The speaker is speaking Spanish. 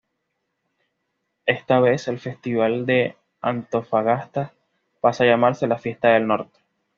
Esta vez el festival de Antofagasta pasa a llamarse "La Fiesta del Norte".